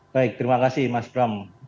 baik terima kasih mas bram